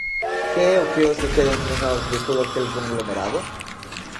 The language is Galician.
¿Que é o que hoxe queda entre nós de todo aquel conglomerado?